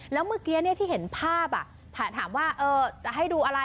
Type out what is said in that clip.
แล้วเมื่อกี้ที่เห็นภาพถามว่าจะให้ดูอะไร